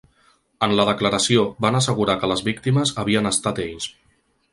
En la declaració van assegurar que les víctimes havien estat ells.